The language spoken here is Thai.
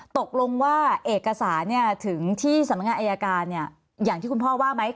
ตกลงว่าเอกสารถึงที่สำนักงานอายการอย่างที่คุณพ่อว่าไหม